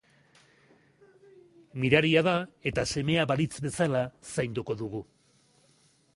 Miraria da eta semea balitz bezala zaindu dugu.